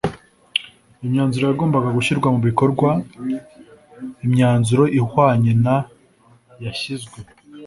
mu myanzuro yagombaga gushyirwa mu bikorwa imyanzuro ihwanye na yashyizwe